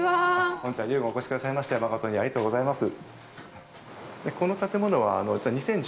本日は、ｒｙｕｇｏｎにお越しくださいましてまことにありがとうございます。